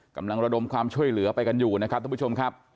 กำลังระดมความช่วยเหลือไปกันอยู่นะครับทุกผู้ชมครับ